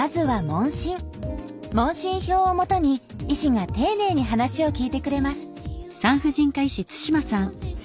問診票をもとに医師が丁寧に話を聞いてくれます。